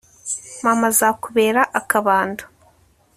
mama azakubera akabando